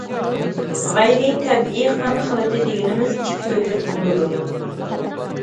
غەيرىي تەبىئىي قان خىلىتى دېگىنىمىز، ئىككى تۈرلۈك بولىدۇ.